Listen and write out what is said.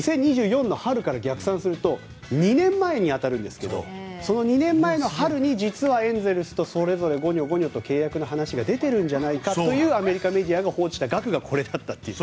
２０２４年の春から逆算すると２年前に当たるんですがその２年前の春に実はエンゼルスとそれぞれごにょごにょと契約の話が出てるんじゃないかとアメリカのメディアが報じた額がこれだったという。